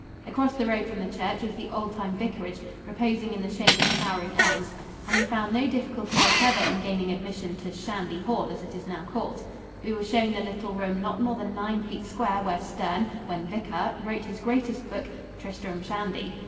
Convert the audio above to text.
Across the road from the church is the old time vicarage, reposing in the shade of towering elms, and we found no difficulty whatever in gaining admission to "Shandy Hall," as it is now called. We were shown the little room not more than nine feet square where Sterne, when vicar, wrote his greatest book, "Tristram Shandy."